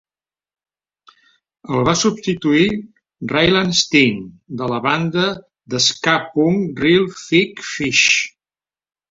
El va substituir Ryland Steen, de la banda de ska-punk Reel Big Fish.